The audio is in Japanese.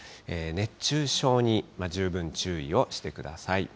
熱中症に十分注意をしてください。